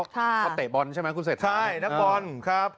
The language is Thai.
เขาเตะบอลใช่ไหมคุณเศรษฐาใช่นักบอลครับ